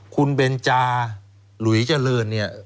คุณเบนจาหลุยเจริญเนี่ย